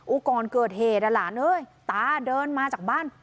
อุ้ยก่อนเกิดเหตุอ่ะหลานตาเดินมาจากบ้าน